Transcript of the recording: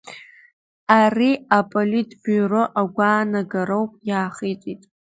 Ари аполитбиуро агәаанагароуп, иаахиҵәеит.